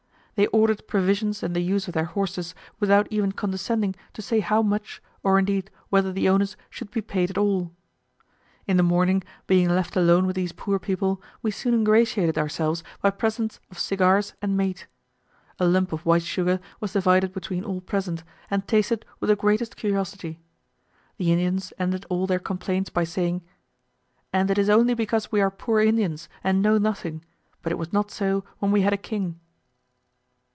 They ordered provisions and the use of their horses, without ever condescending to say how much, or indeed whether the owners should be paid at all. In the morning, being left alone with these poor people, we soon ingratiated ourselves by presents of cigars and mate. A lump of white sugar was divided between all present, and tasted with the greatest curiosity. The Indians ended all their complaints by saying, "And it is only because we are poor Indians, and know nothing; but it was not so when we had a King."